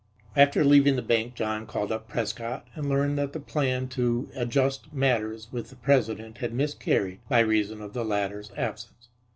After leaving the bank John called up Prescott and learned that the plan to adjust matters with the president had miscarried by reason of the latter's absence.